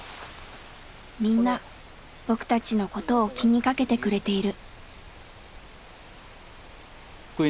みんな僕たちのことを気にかけてくれている。